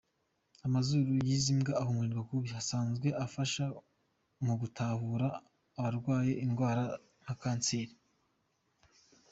Amazuru y'izi mbwa ahumurirwa kubi, asanzwe afasha mu gutahura abarwaye indwara nka kanseri.